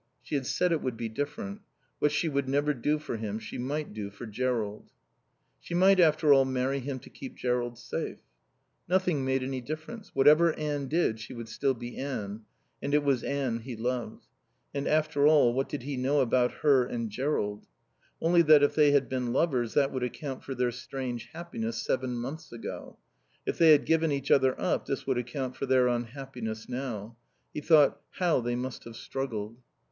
She had said it would be different; what she would never do for him she might do for Jerrold. She might, after all, marry him to keep Jerrold safe. Nothing made any difference. Whatever Anne did she would still be Anne. And it was Anne he loved. And, after all, what did he know about her and Jerrold? Only that if they had been lovers that would account for their strange happiness seven months ago; if they had given each other up this would account for their unhappiness now. He thought: How they must have struggled.